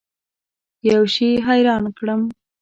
یوه شي حیران کړم.